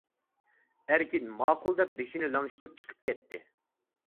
ئەركىن ماقۇل دەپ بېشىنى لىڭشىتىپ چىقىپ كەتتى.